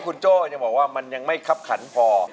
คุณโจ้ยังบอกว่ามันยังไม่คับขันพอ